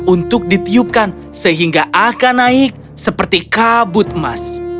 untuk ditiupkan sehingga akan naik seperti kabut emas